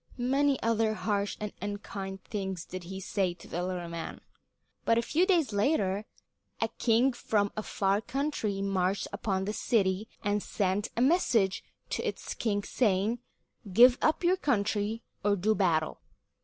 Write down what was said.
Many other harsh and unkind things did he say to the little man. But a few days later a king from a far country marched upon the city and sent a message to its king saying, "Give up your country, or do battle."